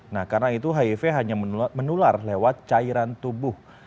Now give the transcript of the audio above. nah karena itu hiv hanya menular lewat cairan tubuh